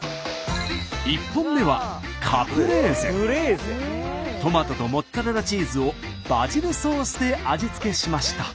１本目はトマトとモッツァレラチーズをバジルソースで味付けしました。